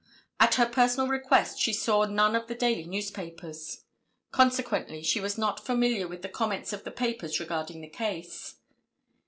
At her personal request she saw none of the daily newspapers. Consequently she was not familiar with the comments of the papers regarding the case.